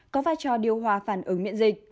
có vai trò điều hòa phản ứng miễn dịch